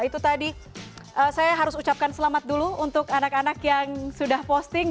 itu tadi saya harus ucapkan selamat dulu untuk anak anak yang sudah posting